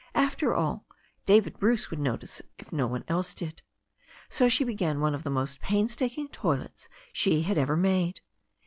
After all, David Bruce would notice if no one else did. So she began one of the most painstaking toilets she had ever made.